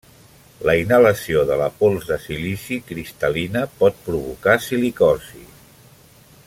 La inhalació de la pols de silici cristal·lina pot provocar silicosi.